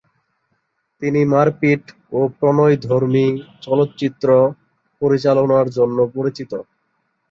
তিনি মারপিট ও প্রণয়ধর্মী চলচ্চিত্র পরিচালনার জন্য পরিচিত।